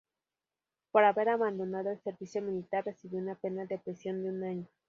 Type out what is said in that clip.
Por haber abandonado el servicio militar, recibió una pena de prisión de un año.